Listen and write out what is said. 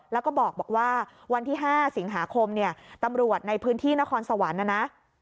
แล้วก็บอกว่าวันที่๕สิงหาคมเนี่ยตำรวจในพื้นที่นครสวรรค์นะนะ